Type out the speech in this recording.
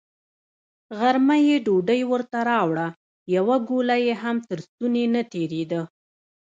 غرمه يې ډوډۍ ورته راوړه، يوه ګوله يې هم تر ستوني نه تېرېده.